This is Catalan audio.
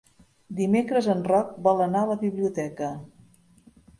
Dimecres en Roc vol anar a la biblioteca.